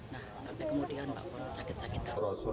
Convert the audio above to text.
nah sampai kemudian mbak pon sakit sakit